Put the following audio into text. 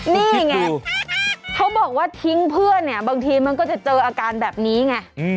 นี่ไงเขาบอกว่าทิ้งเพื่อนเนี่ยบางทีมันก็จะเจออาการแบบนี้ไง